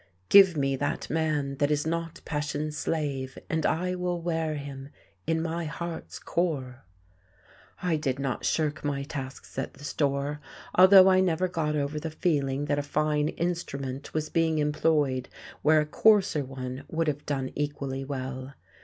"Give me that man That is not passion's slave, and I will wear him In my heart's core...." I did not shirk my tasks at the store, although I never got over the feeling that a fine instrument was being employed where a coarser one would have done equally well.